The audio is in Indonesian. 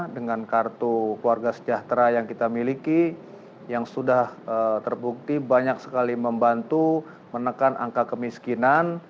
dengan kartu keluarga sejahtera yang kita miliki yang sudah terbukti banyak sekali membantu menekan angka kemiskinan